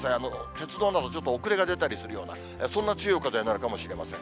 鉄道など、ちょっと遅れが出たりするような、そんな強い風になるかもしれません。